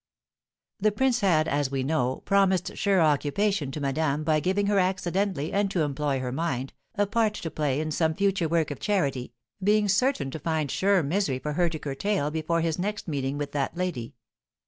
The prince had, as we know, promised sure occupation to madame, by giving her accidentally, and to employ her mind, a part to play in some future work of charity, being certain to find sure misery for her to curtail before his next meeting with that lady.